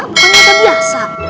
bukan agak biasa